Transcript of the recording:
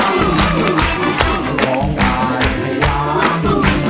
๑หมื่นบาท